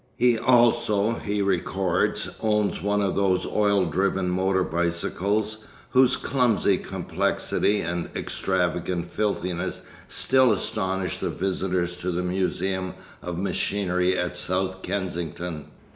He also, he records, owned one of those oil driven motor bicycles whose clumsy complexity and extravagant filthiness still astonish the visitors to the museum of machinery at South Kensington.